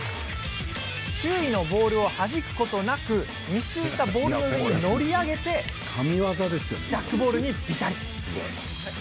周囲のボールをはじくことなく密集したボールの上に乗り上げてジャックボールにびたり！